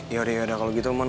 yaudah yaudah kalo gitu mon